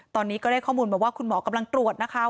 ตอนนี้ก็ได้ข้อมูลมาว่าคุณหมอกำลังตรวจนะคะ